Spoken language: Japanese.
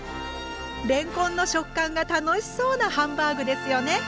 れんこんの食感が楽しそうなハンバーグですよね！